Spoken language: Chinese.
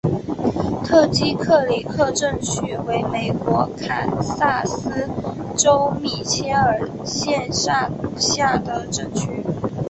特基克里克镇区为美国堪萨斯州米切尔县辖下的镇区。